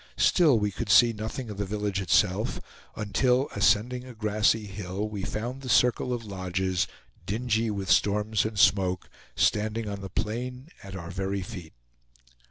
Still, we could see nothing of the village itself until, ascending a grassy hill, we found the circle of lodges, dingy with storms and smoke, standing on the plain at our very feet.